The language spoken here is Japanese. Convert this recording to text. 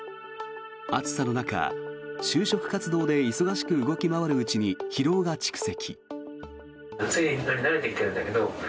暑さの中、就職活動で忙しく動き回るうちに疲労が蓄積。